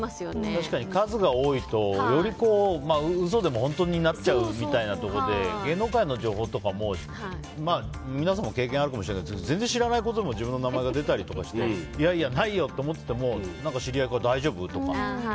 確かに数が多いとより嘘でも本当になっちゃうみたいなところで芸能界の情報とかも、皆さんも経験あるかもしれないですが全然知らないところで自分の名前が出たりしていやいや、ないよと思っていても知り合いから大丈夫？とか。